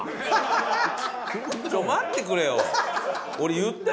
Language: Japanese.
ちょう待ってくれよ。